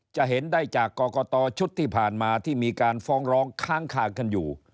จะเห็นได้จากกรกตชุดที่ผ่านมาที่มีการฟ้องร้องค้างคากันอยู่